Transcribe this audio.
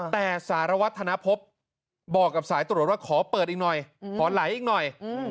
แต่สารวัฒนภพบอกกับสายตรวจว่าขอเปิดอีกหน่อยขอไหลอีกหน่อย